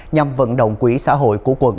nhằm vận động quỹ xã hội của quận